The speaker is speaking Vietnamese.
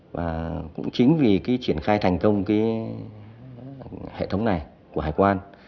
và cũng chính vì cái triển khai thành công cái hệ thống này của hải quan